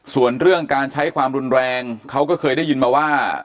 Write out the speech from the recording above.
ส่วนเรื่องการใช้ความรุนแรงเขาก็เคยได้ยินมาว่า